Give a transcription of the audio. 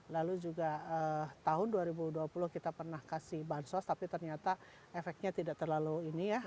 lalu juga tahun dua ribu dua puluh kita pernah kasih bansos tapi ternyata efeknya tidak terlalu ini ya